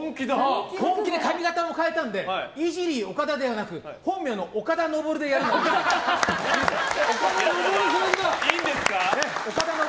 本気で髪形を変えたのでイジリー岡田ではなく本名の岡田昇でやります。